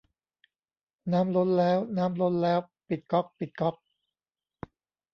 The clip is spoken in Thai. น้ำล้นแล้ว น้ำล้นแล้ว ปิดก๊อก ปิดก๊อก